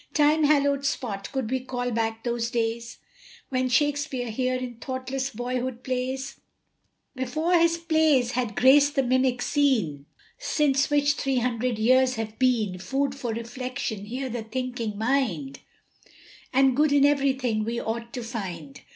Time hallowed spot, could we call back those days, When Shakespeare here in thoughtless boyhood plays. Before his plays had graced the mimic scene, Since which three hundred years have been Food for reflection, here the thinking mind, "And good in everything" we ought to find.